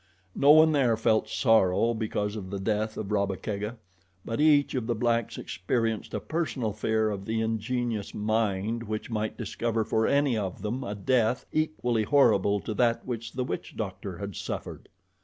No one there felt sorrow because of the death of Rabba Kega; but each of the blacks experienced a personal fear of the ingenious mind which might discover for any of them a death equally horrible to that which the witch doctor had suffered.